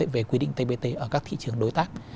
về quy định tpt ở các thị trường đối tác